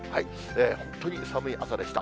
本当に寒い朝でした。